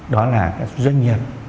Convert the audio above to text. đó là doanh nghiệp